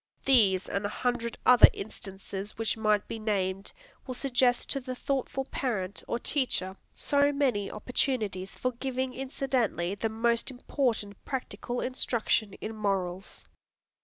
These and a hundred other instances which might be named, will suggest to the thoughtful parent or teacher so many opportunities for giving incidentally the most important practical instruction in morals.